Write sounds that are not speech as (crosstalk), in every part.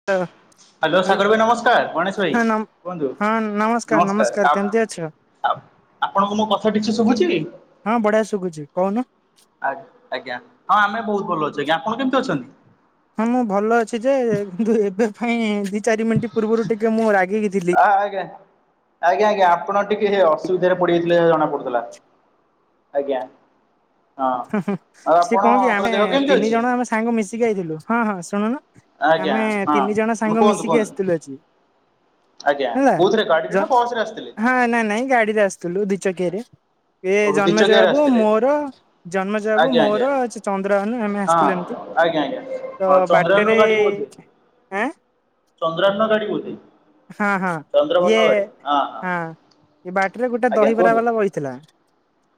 (unintelligible) Hello Sagar ହଁ ଭାଇ ନମସ୍କାର ଗଣେଶ ଭାଇ ନମ କୁହନ୍ତୁ ହଁ ନମସ୍କାର। କେମିତି ଅଛ? ଆଉ ଆପଣଙ୍କୁ ମୋ କଥା ଟିକ ସେ ଶୁଭୁଛି। ହଁ ବଢିଆ ଶୁଭୁଛି କହୁନ। ଆଜ ଆଜ୍ଞା ହଁ ଆମେ ବହୁତ ଭଲ ଅଛୁ ଆଜ୍ଞା ଆପଣ କେମିତି ଅଛନ୍ତି। ହଁ ମୁଁ ଭଲ ଅଛି ଯେ କିନ୍ତୁ ଏବେ ପାଇଁ ଦି ଚାରି ମିନିଟ୍। ପୂର୍ବରୁ ଟିକେ ମୁଁ ରାଗିକି ଥିଲି। ହ ଆଜ୍ଞା ଆଜ୍ଞା ଆଜ୍ଞା। ଆପଣ ଟିକେ ଅସୁବିଧାରେ ପଡିଯାଇଥିଲେ ଜଣା ପଡୁଥିଲା ଆଜ୍ଞା। ହଁ ଆଉ ସି କହ କି ଆପଣଙ୍କର ଆମେ ଦେହ କେମିତି ତିନି ଅଛି? ଜଣ ଆମେ ସାଙ୍ଗ ମିଶିକି ଯାଇଥିଲୁ ହଁ ହଁ ଶୁଣୁନ। ଆଜ୍ଞା ଆମେ ହଁ ତିନି ଜଣ ଆମେ ସାଙ୍ଗ କୁହନ୍ତୁ ମିଶିକି କୁହନ୍ତୁ ଆସିଥିଲୁ ଅଜି। ଆଜ୍ଞା ହେଲା କୋଉଥିରେ ଗାଡିରେ ନା ବସ ରେ ଆସିଥିଲେ? ହଁ ନା ନାଇ ଗାଡିରେ ଆସି ଥିଲୁ ଦି ଚକିଆରେ। ଏ ଓହୋ ଦି ଜନ୍ମେଜ ଚକିଆରେ ବାବୁ, ଆସିଥିଲେ ମୋର ଜନ୍ମେଜୟ ବାବୁ ଆଜ୍ଞା ମୋର ଆଜ୍ଞା ଚନ୍ଦ୍ରଭାନୁ ଆମେ ଆସିଥିଲୁ ଏମିତି ହଁ ଆଜ୍ଞା ଆଜ୍ଞା ତ ହଁ ଚନ୍ଦ୍ରାନ ବାଟରେ ଗାଡିିବୋଧେ। ଆଁ ଚନ୍ଦ୍ରାନ ଗାଡ଼ି ବୋଧେ। ହଁ ହଁ ଇଏ ହଁ ଇ ବାଟରେ ଗୋଟେ ଆଜ୍ଞା ଦହିବରା କୁହନ୍ତୁ ବାଲା ବଇଥିଲା।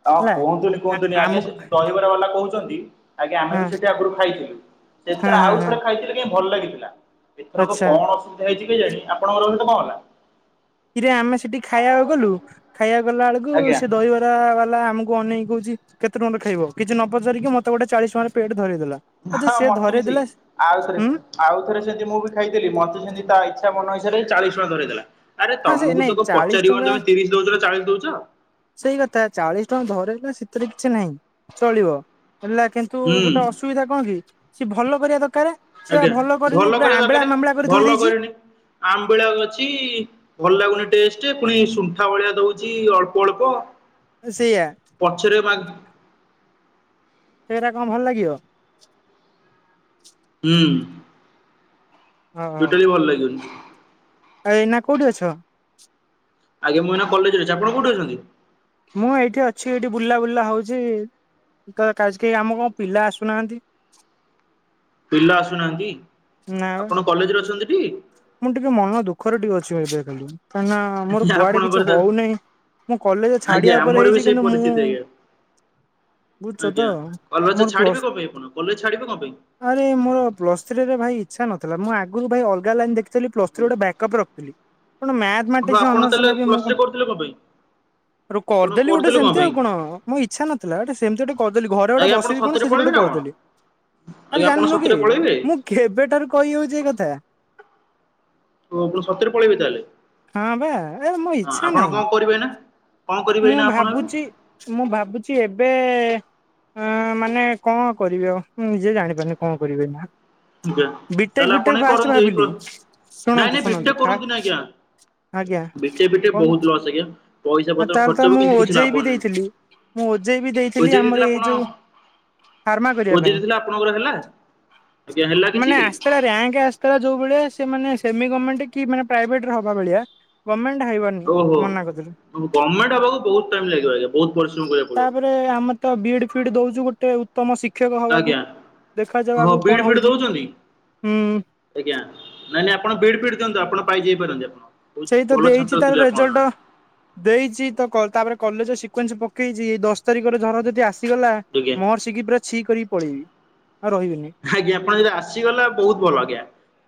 ହଁ ହେଲା। କୁହନ୍ତୁନି ଆ କୁହନ୍ତୁନି ଆଜ୍ଞା ଆମକୁ ସେ ଦହିବରା ବାଲା କହୁଛନ୍ତି ଆଜ୍ଞା ଆମେ ହଁ ବି ସେଠି ଆଗରୁ ଖାଇଥିଲୁ ହଁ ସେଥିରେ ହଁ ଆଉ ହଁ ଥରେ ଖାଇଥିଲେ କାଇଁ ଭଲ ଲାଗିଥିଲା। ଏଥରକ ଆଚ୍ଛା କଣ ଅସୁବିଧା ହେଇଛି କେଜାଣି, ଆପଣଙ୍କରହିତ କଣ ହେଲା କିରେ ଆମେ ସେଠି ଖାଇବାକୁ ଗଲୁ ଖାଇବାକୁ ଗଲା ବେଳକୁ ଆଜ୍ଞା ସେ ଦହିବ ବାଲା ଆମକୁ ଅନେଇକ କହୁଛି କେତେ ଟଙ୍କାରେ ଖାଇବ କିଛି ନ ପଚାରିକି ମତେ ଗୋଟେ ଚାଳିଶ ଟଙ୍କାରେ ପେଟ୍ ଧରେଇ ଦେଲା। ହଁ ମୋତେ ବି ସେଇ ଆଉଥରେ ହୁଁ ଆଉ ଥରେ ସେମିତି ମୁଁ ବି ଖାଇଥିଲି ମତେ ସେମତି ତା ଇଚ୍ଛା ମନ ଇଚ୍ଛାରେ ଚାଳିଶ ଟଙ୍କା ଧରେଇଦେଲା। ଆରେ ହଁ ସେ ତମକୁ ନାଇଁ ତ ଚାଳିଶ ପଚାରିବନି ଟଙ୍କା ତମେ ତିରିଶ ଦେଉଛ ଚାଳିଶ ଦେଉଛ। ସେଇ କଥା ଚାଳିଶ ଟଙ୍କା ଧରେଇଦେଲା ସେଥିରେ କିଛି ନାହିଁ, ଚଳିବ ହେଲା କିନ୍ତୁ ଗୋଟେ ହୁଁ। ଅସୁ ସୁବିଧା କଣ କି ସିଏ ଭଲ କରିବା ଦରକାର। ସେ ଭଲ କରିନି ପୁରା ଆମ୍ୱିଳା ମାମ୍ୱିଳା କରି ଥୋଇଦେଇେଛି। ଆମ୍ବିଳାକ ଅଛି ଭଲ ଲାଗୁନି ଟେଷ୍ଟ ପୁଣି ସୁଣ୍ଠା ଭଳିଆ ଦଉଛି ଅଳ୍ପ ଅଳ୍ପ। ସେଇଆ ପଛରେ ମା ସେଇଟା କଣ ଭଲ ଲାଗିବ। ହୁଁ ହଁ ହଁ ଆଉ ଟୋଟାଲି ଭଲ ଲାଗିବନି। ଏଇନା କୋଉଠି ଅଛ। ଆଜ୍ଞା ମୁଁ ଏଇନା କଲେଜରେ ଅଛି ଆପଣ କୋଉଠି ଅଛନ୍ତି। ମୁଁ ଏଇଠି ଅଛି ଏଇଠି ବୁଲା ବୁଲା ହଉଛି। କେହି ଆମ କଣ ପିଲା ଆସୁନାହାନ୍ତି। ପିଲା ଆସୁନାହାନ୍ତି ନା ବା ଆପଣ କଲେଜରେ ଅଛନ୍ତି ଟି? ମୁଁ ଟିକେ ମନ ଦୁଃଖରେ ଟିକେ ଅଛି ମୁ ଏବେ ଖାଲି କାହିଁକି ନା ହ ମୋର କୁଆଡେ ଆପଣଙ୍କର କିଛି ତ ହଉନହିଁ ମୁଁ କଲେଜ ଆଜ୍ଞା ଛାଡିବା ଆମର ପରେ ବି ହେଇଛି ସେଇ କିନ୍ତୁ ମୁଁ ପରିସ୍ଥିତି ଆଜ୍ଞା। ବୁଝୁଛ ତ ଆଜ୍ଞା କଲଜ ମୋର ପ୍ଲସ୍ ଛାଡିବେ କଣ ପାଇଁ ଆପଣ କଲଜ ଛାଡିବେ କଣ ପାଇଁ? ମୋର ପ୍ଲସ୍ ଥ୍ରୀରେ ଭାଇ ଇଚ୍ଛା ନଥିଲା, ମୁଁ ଆଗରୁ ଭାଇ ଅଲ୍ଗା ଲାଇନ୍‌ ଦେ ପ୍ଲସ୍‌ଥ୍ରୀ ବ୍ୟାକଅପ୍ ର--ଥିଲି, ମ୍ୟାଥ୍ ଓହୋ ମାଟିକ୍ସ୍ ଆପଣ ଅନର୍ସ ତାହେଲେ ନେବି। ପ୍ଲସ ମୁଁ ଥ୍ରୀ କ କରୁଥିଲେ କଣ ପାଇଁ? ଆପଣ କର୍ ଦେଲି, ଗୋଟେ କରୁଥିଲେ ସେମ୍ତି ପାଇଁ ଆଉ କ'ଣ ମୋ ଇଚ୍ଛା ନଥିଲା, ସେମ୍ତି ଗୋଟେ କରିଦେଲି, ଘରେ ଗୋଟେ ଆଜ୍ଞା ଆପଣ ବସି କ'ଣ ସତରେ ପଳେଇବେ ସେ---ଗୋଟେ ନା କର୍ କଣ ଦେଲି। ଆଜ୍ଞା ଆରେ ଆପଣ ସତରେ ଜାଣ୍ନୁକି, ପଳେଇବେ? ମୁଁ କେବେ ଠାରୁ କହି ହଉଚି ଏ କଥା। (inaudible) ହଁ ବା, ମୋ ହଁ ଇଚ୍ଛା ଆପଣ ନାହିଁ। କଣ କରିବେ ନା କଣ କରିବେ ମୁଁ ଏଇନା ଆପଣ ଭାବୁଚି ମୁଁ ଭାବୁଚି ଏବେ ମାନେ କ'ଣ କରିବି ଆଉ, ମୁଁ ନିଜେ ଜାଣିପାରୁିନି କଣ କରିବି ଏ--ନା। ଏବେ ବିଟେକ୍ ତାହେଲେ ଆପଣ ଫିଟେକ୍ ଏ ଫାଷ୍ଟେ କରନ୍ତୁ ଏଇ ପ୍ର ଭାବିଲି। ନାଇଁ ଶୁଣନ୍ତୁ ନାଇଁ ବିଟେକ୍ ଶୁଣନ୍ତୁ କରନ୍ତୁନି ଆଜ୍ଞା ବିଟେକ୍ ଫିଟେକ୍ ବହୁତ ଲସ୍ ଆଜ୍ଞା ପଇସା ପତ୍ର ତା'ହେଲେ ଖର୍ଚ୍ଚ ତ ହବ ମୁଁ କିନ୍ତୁ କିଛି ଲାଭ ଓଜେଇ ବି ନାହିଁ ଦେଇଥିଲି। ମୁଁ ଓଜେଇ ବି ଦେଇଥିଲି, ଓଜେଇ ଆମର ଦେଇଥିଲେ ଏ ଆପଣ ଯଉ ଓଜେଇ ଦେଇଥିଲେ, ଆପଣଙ୍କର ହେଲା। ଆଜ୍ଞା ହେଲା (inaudible) କିଛି ଯଉ ଭଳିଆ, ସେମାନ ସେମି ଗମେଣ୍ଟେ କି ପ୍ରାଇଭେଟ୍ ରେ ଭବା ଭଳିଆ ମନା କରିଦେଲେ ଓ---ଗମେଣ୍ଟ୍ ହବାକୁ ବହୁତ୍ ଟାଇମ୍ ଲାଗିବ ଆଜ୍ଞା, ବହୁତ୍ ପରିଶ୍ରମ କରିବାକୁ ପଡ଼ିବ। ତାପରେ ଆମେ ତ ବିଇଡ଼ି ଫିଡ଼ି ଦଉଚୁ ଗୋଟେ ଶିକ୍ଷକ ହବାକୁ, ଆଜ୍ଞା ଦେଖାଯାଉ ହଁ ଆଗକୁ ବିଡ୍ କ'ଣ ଫିଡ୍ ହଉଚି। ଦଉଛନ୍ତି ହୁଁ ଆଜ୍ଞା, ନାଇଁ ନାଇଁ ଆପଣ ବିଇଡ଼ି ଫିଡ଼ି ଦିଅନ୍ତୁ। ଆପଣ ପାଇ ଯାଇପାରନ୍ତି ଆପଣ। ବହୁତ ସେଇତ ଭଲ ଛାତ୍ର ଦେଇଚି ତା'ର ଥିଲେ ଆପଣ ଜଣେ ରେଜଲ୍ଟ ଦେଇଚି ତା'ପରେ କଲେଜେ ସିକ୍ୱେନ୍ସ ପକେଇଚି। ଏଇ ଦଶ୍ ତାରିକ ରେ ଧର ଯଦି ଆ ଆଜ୍ଞା ମହର୍ଷିି କି ପୁରା ଛି କରିକି ପଳେଇବି, ରହିବିନି। ଆଜ୍ଞା ଆପଣ ଯଦି ଆସିଗଲା, ବହୁତ୍ ଭଲ ଆଜ୍ଞା,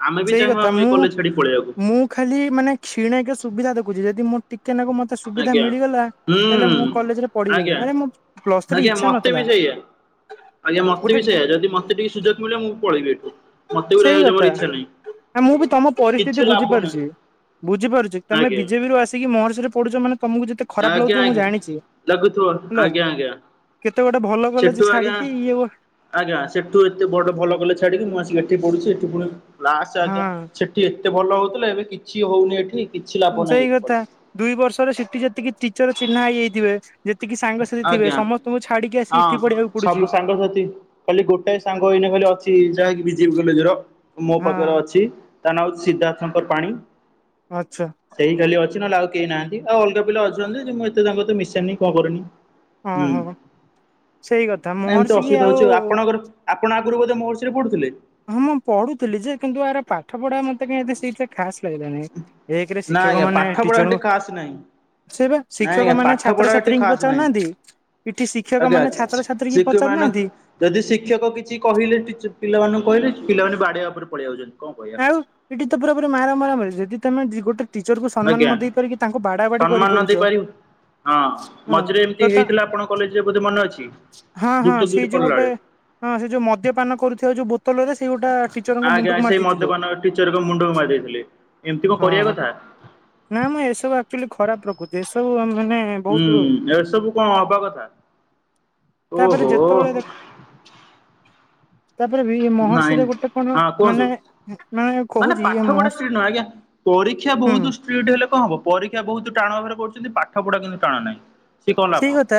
ଆମେ ବି ସେଇ କଥା ଚାହିଁବୁ, ଏଇ ମୁଁ କଲେଜ୍‌ ଛାଡ଼ି ପଳେଇବାକୁ। ମୁଁ ଖାଲି ମାନେ କ୍ଷୀଣେକେ ସୁବିଧା ଦେଖୁଚି, ଯଦି ମୁଁ ଟିକେ ନାକୁ ମତେ ସୁବିଧା ଆଜ୍ଞା। ମିଳିଗଲା। ହୁଁ ମୁଁ କଲେଜରେ ପଢ଼ିବିନି, ଆଜ୍ଞା ଆରେ ପ୍ଲସ୍‌ଥ୍ରୀ ଆଜ୍ଞା ଇଚ୍ଛା ମତେ ନ--ଲା। ବି ସେଇଆ। ଆଜ୍ଞା ମତେ ବି ସେଇଆ, ଯଦି ମତେ ଟିକେ ସୁଯକ୍ ମିଳିବ। ମୁଁ ପଳେଇବି ଏଠୁ, ମତେ ବି ସେଇ ରହିବା କୁ କଥା ଜମାରୁ ଇଚ୍ଛା ନାହିଁ। ମୁଁ ବି ତମ କିଛି ପରିସ୍ଥିତି ଲାଭ ନାହିଁ ବୁଝିପାରୁଚି। ବୁଝିପାରୁଚି ତମେ ଆଜ୍ଞା ବିଜେପି ରୁ ଆସି ମହର୍ଷିରେ ପଡୁଚ ମାନେ ତମକୁ ଯେତେ ଖରାପ୍ ଆଜ୍ଞା ଲାଗୁଥିବ ମୁଁ ଆଜ୍ଞା। ଜାଣିଚି ଲାଗୁଥିବ ହେଲା। ଆଜ୍ଞା ଆଜ୍ଞା କେତେ ଗୋଟେ ଭଲ ସେଠୁ କଲେଜେ ଆଜ୍ଞା ଛାଡ଼ିକି ଇଏ ଆଜ୍ଞା, ସେଠୁ ଏତେ ବଡ଼ ଭଲ କଲେଜ୍‌ ଛାଡ଼ିକି ମୁଁ ଆସିକି ଏଠି ପଢୁଛି। ଏଠି ପୁଣି କ୍ଲା ଆଜ୍ଞା ହଁ ଏତେ ଭଲ ହଉଥିଲା, ଏବେ କିଛି ହଉନି ଏଠି। କିଛି ଲାଭ ନାହିଁ ସେଇ ଏଠି କଥା, ପଢିକି। ଦୁଇ ବର୍ଷରେ ଠି ଯେତିକି ଟିଚର ଚିହ୍ନା ହେଇ ଯାଇଥିବେ। ଯେତିକି ସାଙ୍ଗସାଥି ଥିବେ ଆଜ୍ଞା ସମସ୍ତଙ୍କୁ ଛାଡ଼ିକି ହଁ ଆସି ଏଠି ପଢ଼ିବାକୁ ପଡୁଚି। (inaudible) ଖାଲି ଗୋଟାଏ ସାଙ୍ଗ ଏ----ଖାଲି ଅଛି, ଯାହାକି ବିଜେପି କଲେଜେ ର ମୋ ହଁ ପାଖରେ ଅଛି। (inaudible) ଆଚ୍ଛା। ସେ---ଖାଲି ଅଛି, ନହେଲେ ଆଉ କେହି ନାହାନ୍ତି। ଆଉ ଅଲ୍‌ଗା ପିଲା ଅଛନ୍ତି, ଯେ ମୁଁ ଏତେ ତାଙ୍କ ସହିତ ମିଶେନି ଓହୋ। ସେଇ କଥା ଏମ୍ତି ମହର୍ଷି କି ଅସୁବିଧା ହଉଚି ଆଉ। ଆପଣଙ୍କର ଆପଣ ଆଗରୁ ବଧେ ମହର୍ଷିରେ ପଢୁଥିଲେ। ହଁ ମୁଁ ପଢୁଥିଲି ଯେ, କିନ୍ତୁ ର ପାଠ ପଢ଼ା ମତେ କାଇଁ ଏତେ ଖାସ୍‌ ଲାଗିଲାନି, ଏକ୍ରେ ନା ଶିକ୍ଷକ ଆଜ୍ଞା ମାନେ ପାଠ ପଢା ଏଠି ଟିଚର ଖାସ୍ ନାହିଁ ନାଇଁ ଆଜ୍ଞା ଶିକ୍ଷକ ମାନେ ପାଠ ପଢା ଏଠି ଛାତ୍ରଛାତ୍ରୀଙ୍କୁ ଖାସ୍ ନାହିଁ। ପଚା--ନାହାନ୍ତି, ଶିକ୍ଷକ ଆଜ୍ଞା ମାନେ ଛାତ୍ରଛାତ୍ରୀ ଶିକ୍ଷକ ମାନେ ପଚା---ନାହାନ୍ତି। ଯଦି ଶିକ୍ଷକ କିଛି କହିଲେ ପିଲାମାନଙ୍କୁ କହିଲେ, ପିଲାମାନେ ବାଡ଼େବା ଉପରେ ପଳେଇ ଉଚନ୍ତି। ଆଉ ଏଠି ତ ପୁରାୁପୁରୀ ମାର ମରାମୁରି। ତମେ ଗୋଟେ ଟିଚର୍ ଙ୍କୁ ସମ୍ମାନ ଆଜ୍ଞା। ନଦେଇ ପାରିକି ତାଙ୍କୁ ବାଡ଼ା ବାଡ଼ି ସମ୍ମାନ କରି ନ ଦେଇ ପାରୁଚ। ପାରିବୁ ହଁ! ମଝିରେ ଏମ୍ତି ହେଇଥିଲା, ଆପଣଙ୍କ କଲେଜ୍‌ରେ ଧେ ମନେ ଅଛି। ହଁ ହଁ, ଯୁକ୍ତ ସେଇ ଦୁଇରେ ଯଉ ପଢିଲା ଗୋଟେ ବେଳେ ହଁ ସେ ଯଉ ମଦ୍ୟପାନ କରୁଥିବା ଯଉ ବୋ ଲରେ ସେଇ ଗୋଟା ଟିଚରଙ୍କ ଆଜ୍ଞା ମୁଣ୍ଡୁକୁ ସେଇ ମାରି ଦେଇଥିଲେ। ମଦ୍ୟପାନ ଟିଚରଙ୍କ ମୁଣ୍ଡକୁ ମାରି ଦେଇଥିଲେ। ଏମିତି କଣ କରିବା କଥା ନା ମ ଏସବୁ ଆକ୍ଚୁଲି ଖରାପ୍ ପ୍ରକୃଛି, ଏସବୁ ମାନେ ବହୁତ ହୁଁ, ଏସବୁ ଙ୍କ ହବା କଥା ତାପରେ ଯେତେବେଳେ ଦେଖ ତାପରେ ବି ନାଇଁ, ମହର୍ଷିରେ ଗୋଟେ କଣ ହଁ ମାନେ କୁହନ୍ତୁ ମାନେ କହୁଛି ଏ ପାଠ ପଢା ମହର୍ଷି ଷ୍ଟ୍ରିକ୍ଟ ନୁହଁ ଆଜ୍ଞା ପରୀକ୍ଷା ହୁଁ ବହୁତ ଷ୍ଟ୍ରିକ ହେଲେ କଣ ହବ ପରୀକ୍ଷା ବହୁତ ଟାଣ ଭାବରେ କରୁଚନ୍ତି ପାଠ ପଢା କିନ୍ତୁ ଟାଣ ନାହିଁ। ସିଏ କଣ ଲାଭ ସେଇ କଥା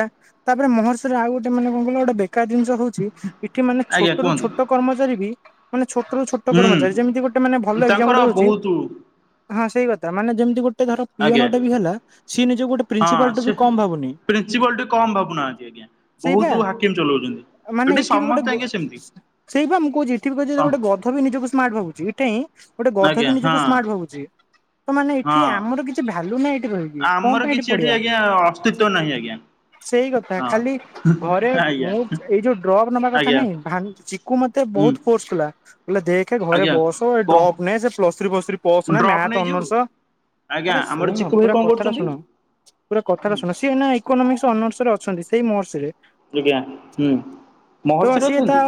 ତାପରେ ମହର୍ଷରେ ଆଉ ଗୋଟେ ମାନେ କଣ କହିଲ ବେ କାର୍ ଜିନିଷ ହଉଚି ଏଠି ମାନେ ଆଜ୍ଞା ଛୋଟ ରୁ କୁହନ୍ତୁ ଛୋଟ କର୍ମଚାରୀ ବି ମାନେ ଛୋଟ ରୁ ଛୋଟ ଟ କର୍ମଚାରୀ ହୁଁ ଯେମତି ଗୋଟେ ମାନେ ଭଲ ତାଙ୍କର ଏକ୍ଜାମ୍ପଲ୍ ଟେ ଦଉଚି ବହୁତ ହଁ ସେଇ କଥା ମାନେ ଯେମତି ଗୋଟ ଟେ ଧର ଆଜ୍ଞା। ପିଅନ ଟା ବି ହେଲା ସିଏ ନିଜକୁ ଗୋଟେ ହଁ ପ୍ରିନ୍ସିପାଲ ଟୁ ସେ ବି କମ ଭାବୁନି। ପ୍ରିନ୍ସିପାଲ ଟି କମ ଭାବୁନାହାନ୍ତି ଆଜ୍ଞା ସେଇବା ବହୁତ ହାକିମ ଚଲଉଛନ୍ତି ଏଠି ସମସ୍ତେ ଆଜ୍ଞା ସେମିତି। ସେଇପା ମୁଁ କହୁଚି ଏଠି ବି କଛି ଗୋଟେ ଗଧ ବି ନିଜକୁ ସ୍ମାର୍ଟ ଭାବୁଛି ଏଠା ହିଁ ଗୋଟେ ଗଧ ଆଜ୍ଞା ବି ହଁ ନିଜକୁ ସ୍ମାର୍ଟ ଭାବୁଚି। ତ ମାନେ ହଁ। ଏଠି ଆମର କିଛି ଭାଲ୍ୟୁ ନାହିଁ ଏଠି ରହକି କଣ ପାଇଁ ଏଠି ପଢିବା। ସ୍ତିତ୍ୱ ନାହିଁ ଆଜ୍ଞା। ସେଇ କଥା ହଁ ଖାଲି ଘରେ ଆଜ୍ଞା। ମୁଁ ଏଇ ଯୋଉ ଡ୍ରପ ନବା କଥା ଆଜ୍ଞା ନାଇଁ ଭା ଚିକୁ ମତେ ହୁଁ ବହୁତ ଫୋର୍ସ କଲା। କଇଲା ଦେଖେ ଘରେ ଆଜ୍ଞା ବସ। କଣ ଡ୍ରପ୍ ନଁ ସେ ପ୍ଲସ୍ ଥ୍ରୀ ପ୍ଲସ ଥ୍ରୀ ପସନା ଡ୍ରପ୍ ମ୍ୟଥ ନେଇଯିବୁ? ଅନରସ ଆଜ୍ଞା ଆରେ ଆମର ଶୁଣ ଚିକୁ ଭାଇ ପୁରା କଣ କଥାଟା କରୁଛନ୍ତି? ଶୁଣ ପୁରା କଥାଟା ଶୁଣ ସିଏ ନା ଇକୋନୋମିକ୍ସ ଅନର୍ସରେ ଅଛନ୍ତି ସେଇ ମହର୍ଷରେ ଆଜ୍ଞା ହୁଁ। ତ ମହର୍ଷିରେ ସିଏ ତା ଅଛନ୍ତି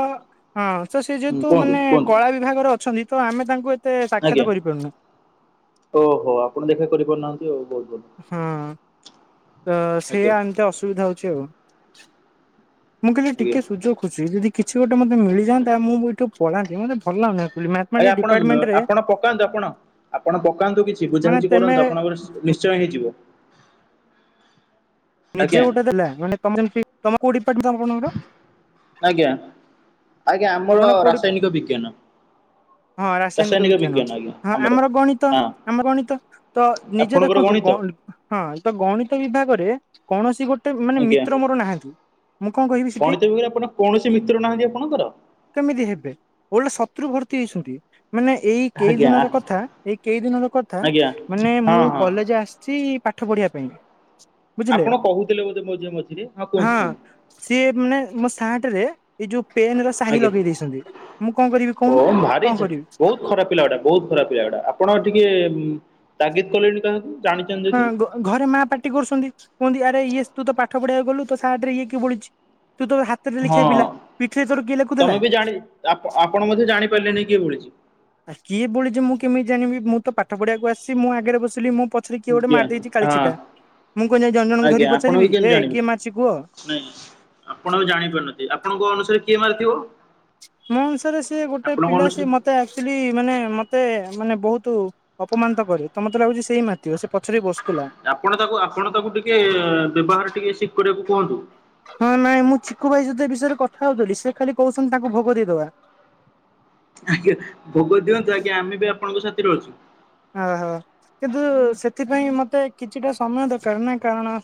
ହଁ ତ ସେି ହୁଁ ଯେହେତୁ କୁହନ୍ତୁ ମାନେ କୁହନ୍ତୁ କଳା ବିଭାଗରେ ଅଛନ୍ତି ତ ଆମେ ତାଙ୍କୁ ତେ ଆଜ୍ଞା। ସାକ୍ଷାତ କରିପାରୁନେ। ଓହୋ ଆପଣ ଦେଖା କରିପାରୁନାହାନ୍ତି ଆଉ ବହୁତ ଭଲ। ହଁ ତ ଆଜ୍ଞା ସେୟା ଏମିତି ଅସୁବିଧା ହଉଚି ଆଉ। ମୁଁ କହିଲି ଆଜ୍ଞା। ଟିକେ ସୁଯୋଗ ଖୋଜୁଚି ଯଦି କିଛି ଗୋଟେ ମତେ ମିଳିଯାନ୍ତା ମୁଁ ବି ଏଇଠୁ ପଳାନ୍ତି ମତେ ଭଲାଗୁନାହା। ଆଜ୍ଞା ଆପଣ ଆପଣ ପକାନ୍ତୁ ଆପଣ ଆପଣ ପକାନ୍ତୁ କିଛି ମାନେ ବୁଝାବୁଝି ତେମେ କରନ୍ତୁ ଆପଣଙ୍କ ନିଶ୍ଚି ଶ୍ଚୟ ହେଇଯିବ। ନିଜେ ଆଜ୍ଞା ଗୋଟେ ଦେଲେ ମାନେ ତମେ ପି ତମେ କୋଉ ଡିପାର୍ଟମେଣ୍ଟ ଆପଣଙ୍କର? ଆଜ୍ଞା ଆଜ୍ଞା ଆପଣ ଆମର କୋଉ ଡିପା ରାସାୟନିକ ବିଜ୍ଞାନ। ହଁ ରାସାୟନିକ ବିଜ୍ଞାନ ହଁ ଆମର ଗଣିତ ହଁ ଆମର ଗଣିତ। ତ ନିଜେ ଆପଣଙ୍କର ଦେଖନ୍ତୁ ଗଣିତ ଗଣ ହଁ ତ ଗଣିତ ବିଭାଗରେ କୌଣସି ଗୋଟେ ଗୋଟେ ମାନେ ଆଜ୍ଞା ମିତ୍ର ମୋର ନାହାନ୍ତି ମୁଁ କଣ କହିବି ସେଠି। ଗଣିତ ବିଷୟରେ ଆପଣ କୌଣସି ମିତ୍ର ନାହାନ୍ତି ଆପଣଙ୍କର? କେମିତି ହେବେ ଓଲଟା ଶତ୍ରୁ ଭର୍ତି ହେଇଚନ୍ତି। ମାନେ ଏଇ କେଇ ଆଜ୍ଞା ଦିନର କଥା ଏଇ କେଇ ଦିନର କଥା ଆଜ୍ଞା ମାନେ ହଁ ମୁଁ ହଁ। କଲେଜ ଆସିଚି ପାଠ ପଢିବା ପାଇଁ ବୁଝିଲେ ଆପଣ କହୁଥିଲେ ବୋଧେ ମଝିରେ ମଝିରେ ହଁ କୁହନ୍ତୁ କୁହୁନ୍ତୂ। ସିଏ ମାନେ ମୋ ସାର୍ଟ ରେ ଏଇ ଯୋଉ ପେନ ର ସାହି ଆଜ୍ଞା ଲଗେଇ ଦେଇଚନ୍ତି ମୁଁ କଣ କରିବି କହୁନୁ କଣ କରିବି? ଖରା ପିଲାଗୁଡ଼ାକ। ବହୁତ ଖରାପ ପିଲା ଗୁଡା। ଆପଣ ଟିକେ ତାଗିଦ କଲେଣି କା ହାକୁ? ହଁ ଘ - ଘରେ ମା ପାଟି କରୁଚନ୍ତି କୁହନ୍ତି ଆରେ ଇଏ ତୁ ତ ପାଠ ପଢିବାକୁ ଗଲୁ ତ ସାର୍ଟ ରେ ଇଏ କିଏ ବୋଳିଚି? ତୁ ତ ହାତରେ ଲେଖିବା ପିଲା ହଁ। ପିଠିରେ ତୋର କିଏ ଲେଖୁଥିଲା? ଆ ଆପଣ ମଧ୍ୟ ଜାଣିପାରିଲେନି କିଏ ବୋଳିଛି? ଆହ କିଏ ବୋଳିଚୀ ଯେ ମୁଁ କେମିତି ଜାଣିବି ମୁଁ ତ ପାଠ ପଢିବାକୁ ଆସିଚି ମୁଁ ଆଗରେ ବସିଲି ମୁ ପଚ ପଛରେ କିଏ ଗୋଟେ ଆଜ୍ଞା ମାଟି ଦେଇଚି ହଁ କାଳି ଛିଟା ମୁଁ କହ ଯ ଜଣ ଜଣଙ୍କୁ ଆଜ୍ଞା ଧରି ଆପଣ ବି ପଚାରିବି କେମିତି ଏ ଜାଣିବେ କିଏ ମାଚଚି କୁହ? ନାଇଁ ଆପଣ ବି ଜାଣିପାରୁନହାନ୍ତି। ଆପଣଙ୍କ ଅନୁସାରେ କିଏ ମାରିଥିବ? ମୋ ଅନୁସାରେ ସିଏ ଗୋଟେ ଆପଣଙ୍କ ପିଲା ଅନୁସାରେ ସେ ମତେ ଆକ୍ଚୁଲି ମାନେ ମତେ ମାନେ ବହୁତ ଅପମାନ ତ କରେ ତମତେ ଲାଗୁଛି ସେଇ ମାଥିବ ସେ ପଛରେ ବସୁଥିଲା। ଆପଣ ତାକୁ ଆପଣ ତାକୁ ଟିକେ ବ୍ୟବହାର ଟିକେ ସିକ କରିବାକୁ କୁହନ୍ତୁ। ହଁ ନାଇଁ ମୁଁ ଛିକୁ ଭାଇ ସହ ଏ ବିଷୟରେ କଥା ହଉଥିଲି। ସେ ଖାଲି କହୁଚନ୍ତି ତାଙ୍କୁ ଭୋଗ ଦେଇଦବା। ଆଜ୍ଞା ଭୋଗ ଦିଅନ୍ତୁ ଆଜ୍ଞା ଆମେ ବି ଆପଣଙ୍କ ସାଥିରେ ଅଛୁ। ଓହୋ କିନ୍ତୁ ସେଥିପାଇଁ ମତେ କିଛିଟା ସମୟ ଦରକାର ନା କାରଣ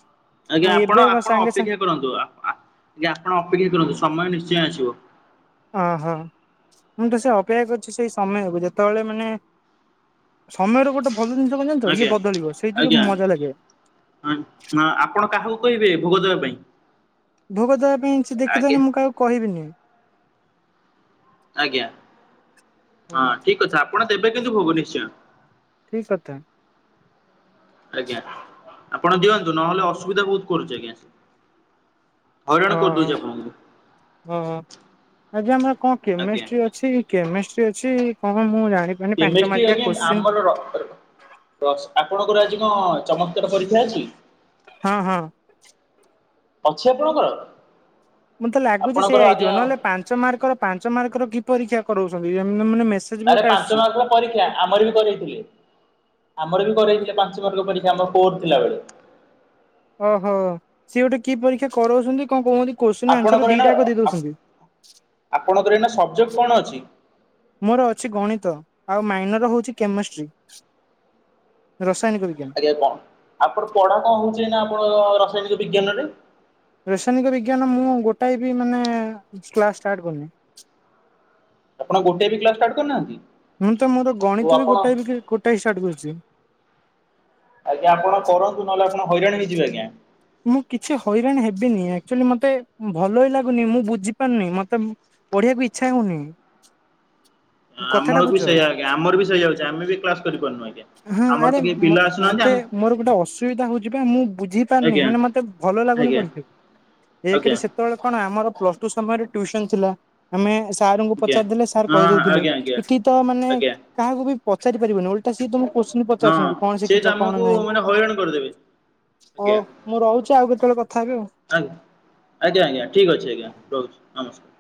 ଆଜ୍ଞା ଏବେ ଆପଣ ଆପଣ ସାଙ୍ଗେ ସାଙ୍ଗେ ଅପେକ୍ଷା କରନ୍ତୁ ଆ-ଆଜ୍ଞା-ଆପଣ ଅପେକ୍ଷା କରନ୍ତୁ ସମୟ ନିଶ୍ଚୟ ଆସିବ। ଅହୋ ମୁଁ ତ ସେ ଅପେକ୍ଷା କରିଛି ସେଇ ସମୟକୁ ଯେତେବେଳେ ମାନେ ସମୟର ଗୋଟେ ଭଲ ଜିନିଷ କଣ ଜାଣିଛ? ଇଏ ଆଜ୍ଞା ବଦଳିବ ସେଇଥିରୁ ଆଜ୍ଞା। ମଜା ଲାଗେ। ହଁ ହଁ ଆପଣ କାହାକୁ କହିବେ ଭୋଗ ଦେବା ପାଇଁ? ଭୋଗ ଦେବା ପାଇଁ ସେ ଦେଖି ଆଜ୍ଞା ଦୋଉନି ମୁଁ କାହାକୁ କହିବିନି। ଆଜ୍ଞା ହଁ ଠିକ କଥା ଆପଣ ଦେବେ କିନ୍ତୁ ଭୋଗ ନିଶ୍ଚୟ। ଠିକ କଥା। ଆଜ୍ଞା ଆପଣ ଦିଅନ୍ତୁ ନହେଲେ ଅସୁବିଧା ବହୁତ କରୁଛି ଆଜ୍ଞା। ହଇରାଣ ଓ ହୋ କରିଦଉଛି ଆପଣଙ୍କୁ ଓ ଆଜି ଆମର କଣ ଆଜ୍ଞା କେମିଷ୍ଟ୍ରି ଅଛି। ସେ ଅଛି କେମିଷ୍ଟ୍ରି ଅଛି କଣ ମୁଁ ଜାଣି କେମିଷ୍ଟି ଆଜ୍ଞା ଆମର ର ଆପଣଙ୍କର ଆଜି କଣ ଚମତ୍କାର ପରୀକ୍ଷା ଅଛି? ହଁ ହଁ। ଅଛି ଆପଣଙ୍କର। ମତେ ଲାଗୁଛି ଆପଣଙ୍କର ସେଇଆ ହେଇଥିବ ଆଜ୍ଞା ନହେଲେ ପାଞ୍ଚ ମାର୍କର ପାଞ୍ଚ ମାର୍କର କି ପରୀକ୍ଷା କରାଉଛନ୍ତି ଏ ଏମିତି ମାନେ ମେଶି ଆରେ ପାଞ୍ଚ ମାର୍କର ପରୀକ୍ଷା ଆମର ବି କରଇଥିଲେ ଆମର ବି କରଇଥିଲେ ପାଞ୍ଚ ବାର୍ଗ ପରୀକ୍ଷା ଆମର ଫୋର ଥିଲାବେଳେ। ଓହୋ ସିଏ ଗୋଟେ କି ପରୀକ୍ଷା କରାଉଛନ୍ତି କଣ କୁହନ୍ତି। ଆପଣଙ୍କର ଏଇନା ଆପଣଙ୍କର ଏଇନା ସବଜେକ୍ଟ କଣ ଅଛି? ମୋର ଅଛି ଗଣିତ ଆଉ ମାଇନର ହଉଛି କେମିଷ୍ଟ୍ରି ରାସାୟନିକ ବିଜ୍ଞାନ। ଏ କଣ ଆପଣ ପଢାଟା ହଉଛି ଏଇନା ଆପଣଙ୍କ ରାସାୟନିକ ବିଜ୍ଞାନରେ? ରସାୟନିକ ବିଜ୍ଞାନ ମୁଁ ଗୋଟାଏ ବି ମାନେ କ୍ଲାସ୍ ଷ୍ଟାର୍ଟ କରିନି। ଆପଣ ଗୋଟେ ବି କ୍ଲାସ ଷ୍ଟାର୍ଟ କରିନାହାନ୍ତି? ମୁଁ ତ ମୋର ଓ ଗଣିତ ବି ଆପଣ ଗୋଟା - ଗୋଟାଏ ଷ୍ଟାର୍ଟ କରିଛି। ଆଜ୍ଞା ଆପଣ କରନ୍ତୁ ନହେଲେ ଆପଣ ହଇରାଣ ହେଇ ଯିବେ ଆଜ୍ଞା। ମୁଁ କିଛି ହଇରାଣ ହେବିନି ଆକ୍ଚୁଆଲି ମତେ ଭଲ ହିଁ ଲାଗୁନି ମୁଁ ବୁଝିପାରୁନି ମତେ ପଢିବାକୁ ଇଚ୍ଛା ହଉନି। ଆ କଥାଟା ଆମର ବି ବୁଝ ସେଇଆ ଆଜ୍ଞା ଆମର ବି ସେଇଆହ ହଉଛି ଆମେ ବି କ୍ଲାସ କରିପାରୁନୁ ଆଜ୍ଞା। ହଁ ଆମର ତ ଆରେ କେହି ପିଲା ଆସୁନାହାନ୍ତି ମତେ ଆମ ମୋର ଗୋଟେ ଅସୁବିଧା ହଉଛି ବା ମୁଁ ବୁଝି ପାରୁିନି। ଆଜ୍ଞା ଆଜ୍ଞା ମାନେ ମତେ ଭଲ ଲାଗୁନି ଆଜ୍ଞା ପଢିବାକୁ ଏକରେ ଆଜ୍ଞା। ସେତବେଳେ କଣ ଆମର ପ୍ଲସ ଟୁ ସମୟରେ ଟ୍ୟୁସନ ଥିଲା। ଆମେ ସାରଙ୍କୁ ପଚାରିଦେଲେ ସାର୍ ହଁ କହିଦଉଥିଲେ ଆଜ୍ଞା ଆଜ୍ଞା ଏଠି ତ ମାନେ ଆଜ୍ଞା କାହାକୁ ବି ପଚାରି ପାରିବନି ଓଲ ସିଏ ତମକୁ କୋଶ୍ଚି ହଁ। ପଚାରୁଛନ୍ତି କଣ ସେ ତ ଶିଖିଛ କଣ ଆମକୁ ନାହିଁ। ମାନେ ହଇରାଣ କରିଦେବେ ହଉ ମୁଁ ରହୁଛି ଆଉ କେତେବେଳେ କଥା ହେବି ଆଉ। ଆଗ୍ ଆଜ୍ଞା ଆଜ୍ଞା ଠିକ ଅଛି ଆଜ୍ଞା ରହୁଛି ନମସ୍କାର।